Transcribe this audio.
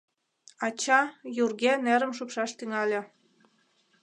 Ача юрге нерым шупшаш тӱҥале.